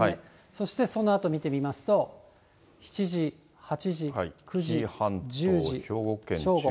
そしてそのあと見てみますと、７時、８時、９時、１０時、正午。